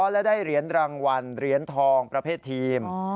และได้เหรียญรางวัลเหรียญทองประเภททีม